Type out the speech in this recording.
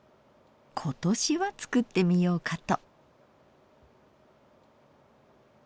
今年は作ってみようかと。